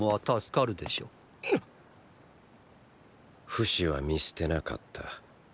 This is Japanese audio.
フシは見捨てなかった。